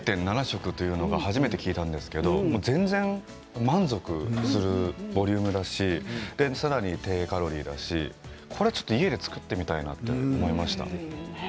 ０．７食は初めて聞いたんですが全然満足するボリュームだしさらに低カロリーだしこれは家で作ってみたいなと思いました。